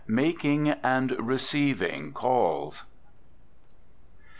Making and Receiving Calls.